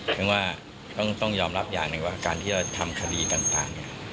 เพราะว่าต้องยอมรับอย่างหนึ่งว่าการที่เราทำคดีต่าง